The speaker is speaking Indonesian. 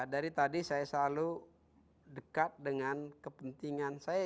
dari tadi saya selalu dekat dengan kepentingan saya